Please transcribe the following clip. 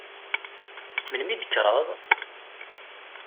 Melmi i d-tekkreḍ?